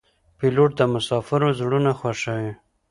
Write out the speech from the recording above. پیلوټ د مسافرو زړونه خوښوي.